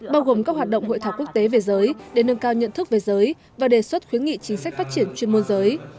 bao gồm các hoạt động hội thảo quốc tế về giới để nâng cao nhận thức về giới và đề xuất khuyến nghị chính sách phát triển chuyên môn giới